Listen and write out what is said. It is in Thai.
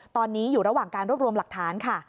ตอนนี้อยู่ระหว่างการรวบรวมหลักฐานค่ะ